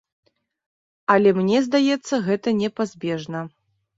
Але мне здаецца, гэта непазбежна.